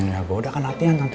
ya goda kan latihan tante